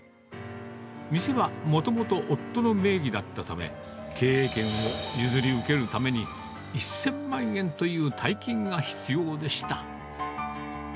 店はもともと夫の名義だったため、経営権を譲り受けるために、１０００万円という大金が必要でした。